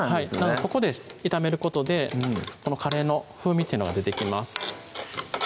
ここで炒めることでカレーの風味っていうのが出てきます